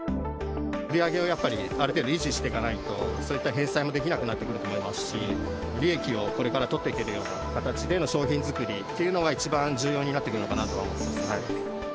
売り上げをやっぱりある程度維持していかないと、そういった返済もできなくなってくると思いますし、利益をこれから取っていけるような形での商品づくりというのが一番重要になってくるのかなと思います。